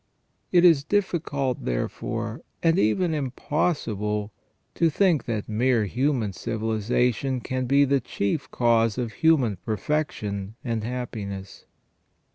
It is difficult, therefore, and even impossible, to think that mere human civilization can be the chief cause of human perfection and happiness.